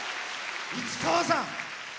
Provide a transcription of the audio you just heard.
市川さん。